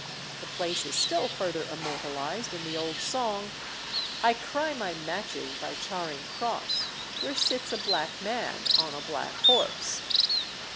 The place is still further immortalised in the old song "I cry my matches by Charing Cross, Where sits a black man on a black horse."